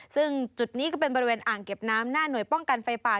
ซึ่งจุดนี้ก็เป็นบริเวณอ่างเก็บน้ำหน้าหน่วยป้องกันไฟป่า